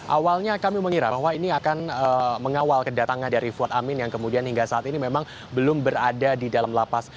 awalnya kami mengira bahwa ini akan mengawal kedatangan dari fuad amin yang kemudian hingga saat ini memang belum berada di dalam lapas